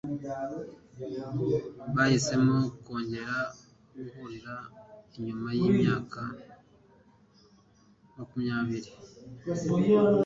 Bahisemo kongera guhurira nyuma yimyaka makumyabiri.